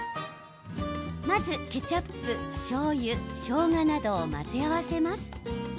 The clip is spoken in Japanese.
まず、ケチャップ、しょうゆしょうがなどを混ぜ合わせます。